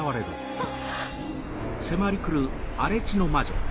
あっ！